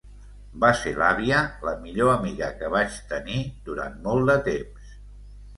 Va ser l’àvia la millor amiga que vaig tenir durant molt de temps.